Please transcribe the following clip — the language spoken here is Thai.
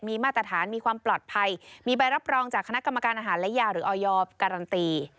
มีมาตรฐานมีความปลอดภัยมีใบรับรองจากคณะกรรมการอาหารและยาหรือออยการันตี